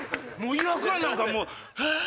イワクラなんかもうえっ？